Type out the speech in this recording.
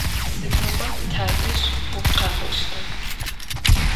Sıdiğo tadej vukhek'oşta?